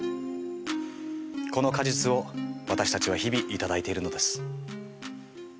この果実を私たちは日々頂いているのです。